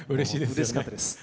うれしかったです。